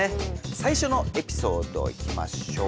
最初のエピソードいきましょう。